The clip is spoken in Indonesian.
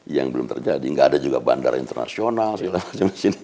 yang belum terjadi nggak ada juga bandara internasional segala macam macam